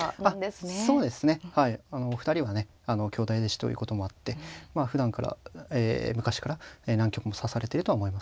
お二人はね兄弟弟子ということもあってふだんから昔から何局も指されてるとは思いますね。